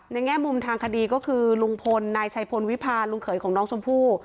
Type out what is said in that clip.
แง่มุมทางคดีก็คือลุงพลนายชัยพลวิพาลลุงเขยของน้องชมพู่